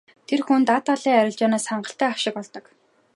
Тэр хүн даатгалын арилжаанаас хангалттай ашиг олдог.